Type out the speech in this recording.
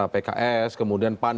pks kemudian pan